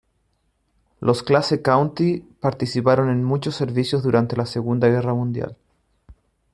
Los clase County, participaron en muchos servicios durante la Segunda Guerra Mundial.